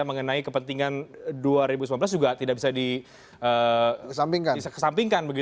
mengenai kepentingan dua ribu sembilan belas juga tidak bisa dikesampingkan